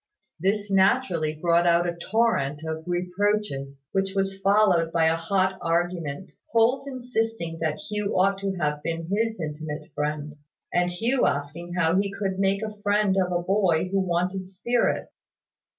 This naturally brought out a torrent of reproaches, which was followed by a hot argument; Holt insisting that Hugh ought to have been his intimate friend; and Hugh asking how he could make a friend of a boy who wanted spirit.